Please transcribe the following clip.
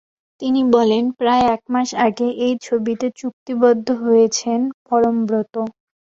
তিনি বলেন, প্রায় এক মাস আগে এই ছবিতে চুক্তিবদ্ধ হয়েছেন পরমব্রত।